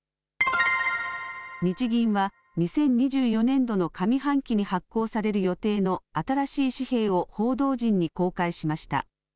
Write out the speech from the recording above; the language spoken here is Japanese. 日銀は２０２４年度の上半期に発行される予定の新しい紙幣を報道陣に公開しました。